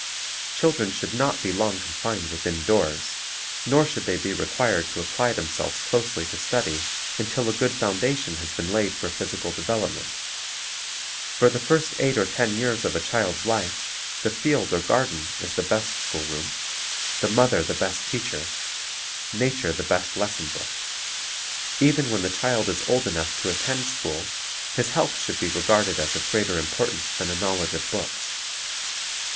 Children should not be long confined within doors, nor should they be required to apply themselves closely to study until a good foundation has been laid for phys ical development. For the first eight or ten years of a child's life the field or garden is the best schoolroom, the mother the best teacher, nature the best lesson book. Even when the child is old enough to attend school, his health should be regarded as of greater importance than a knowledge of books.